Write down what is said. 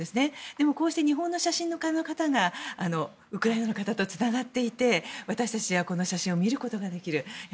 でもこうして日本の写真家の方がウクライナの方とつながっていて私たちがこの写真を見ることができる。